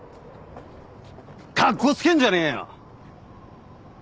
カッコつけんじゃねえよ！